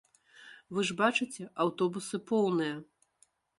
Вы ж бачыце, аўтобусы поўныя.